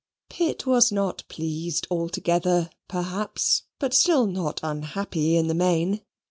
Pitt was not pleased altogether perhaps, but still not unhappy in the main.